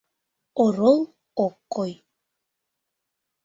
Орол ок кой.